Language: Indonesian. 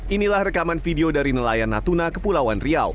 inilah rekaman video dari nelayan natuna kepulauan riau